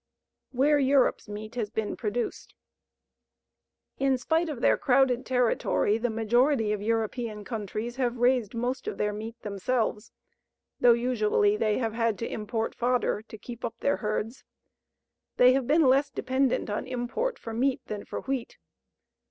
WHERE EUROPE'S MEAT HAS BEEN PRODUCED In spite of their crowded territory, the majority of European countries have raised most of their meat themselves, though usually they have had to import fodder to keep up their herds. They have been less dependent on import for meat than for wheat.